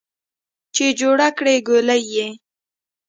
چې جوړه کړې ګولۍ یې